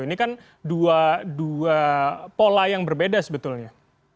ini kan dua pola yang berbeda sebetulnya